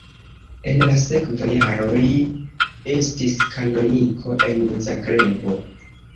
En la sekva jaro li estis kanoniko en Zagrebo.